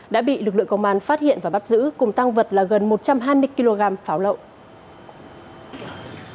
đã bị lực lượng công an phát hiện và bắt giữ cùng tăng vật là gần một trăm hai mươi kg pháo lậu